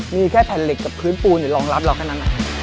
มีแค่แผ่นเหล็กกับพื้นปูนรองรับเราแค่นั้น